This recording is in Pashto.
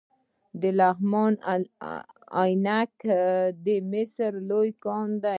د لغمان عينک د مسو لوی کان دی